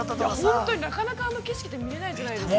◆本当に、なかなかあの景色って、見れないじゃないですか。